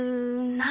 何？